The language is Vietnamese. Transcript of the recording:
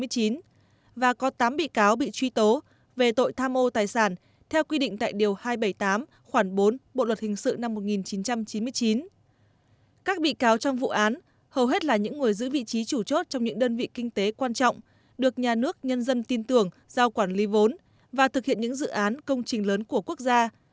các bị cáo trong vụ án hầu hết là những người giữ vị trí chủ chốt trong những đơn vị kinh tế quan trọng được nhà nước nhân dân tin tưởng giao quản lý vốn và thực hiện những dự án công trình lớn của quốc gia